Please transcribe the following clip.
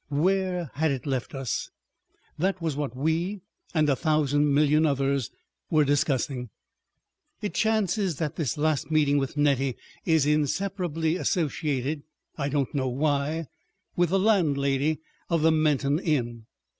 Where had it left us? That was what we and a thousand million others were discussing. ... It chances that this last meeting with Nettie is inseparably associated—I don't know why—with the landlady of the Menton inn.